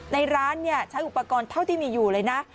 ในร้านใช้อุปกรณ์เท่าที่มีอยู่เลยนะ